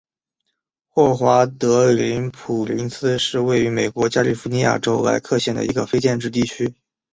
霍华德斯普林斯是位于美国加利福尼亚州莱克县的一个非建制地区。